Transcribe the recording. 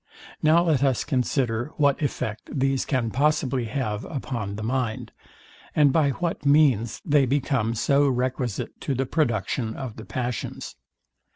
Now let us consider what effect these can possibly have upon the mind, and by what means they become so requisite to the production of the passions.